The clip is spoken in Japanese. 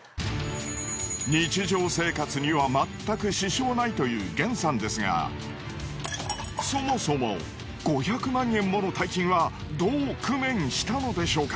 日常生活にはまったく支障ないというＧｅｎさんですがそもそも５００万円もの大金はどう工面したのでしょうか？